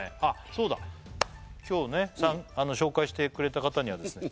そうだ今日ね紹介してくれた方にはですね